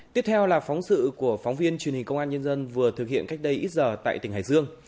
tiếp theo là phóng sự của phóng viên truyền hình công an nhân dân vừa thực hiện cách đây ít giờ tại tỉnh hải dương